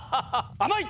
甘い！